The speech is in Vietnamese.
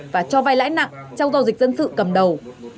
và cho vai lãi nặng trong giao dịch dân sự cầm đầu